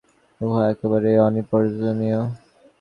শুধু তাই নয়, প্রবর্তকদিগের পক্ষে উহা একেবারে অনিবার্যরূপে প্রয়োজনীয়।